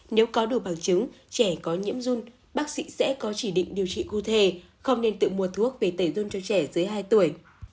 nếu có đủ bằng chứng trẻ có nhiễm run bác sĩ sẽ có chỉ định điều trị cụ thể không nên tự mua thuốc về tẩy dung cho trẻ dưới hai tuổi